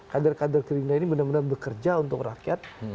kader kader gerindra ini benar benar bekerja untuk rakyat